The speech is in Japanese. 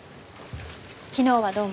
昨日はどうも。